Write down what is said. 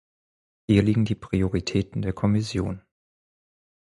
Hier liegen die Prioritäten der Kommission.